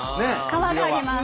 川があります。